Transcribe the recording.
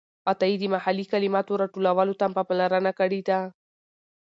عطايي د محلي کلماتو راټولولو ته پاملرنه کړې ده.